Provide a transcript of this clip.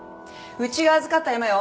うちが預かったヤマよ。